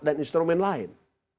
dan instrumen lain